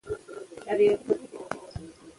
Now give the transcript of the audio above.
ګاز د افغانانو لپاره په معنوي لحاظ ارزښت لري.